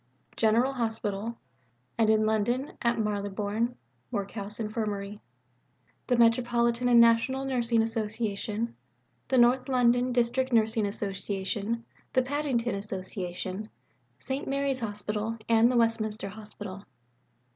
General Hospital; and in London, at Marylebone Workhouse Infirmary, the Metropolitan and National Nursing Association, the North London District Nursing Association, the Paddington Association, St. Mary's Hospital, and the Westminster Hospital.